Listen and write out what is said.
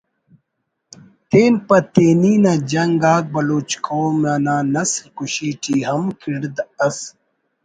تین پہ تینی نا جنگ آک بلوچ قوم انا نسل کشی ٹی ہم کڑد اس